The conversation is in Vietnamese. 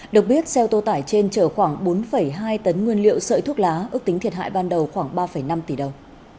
được biết xe ô tô tải trên chở khoảng bốn hai tấn nguyên liệu sợi thuốc lá ước tính thiệt hại ban đầu khoảng ba năm tỷ đồng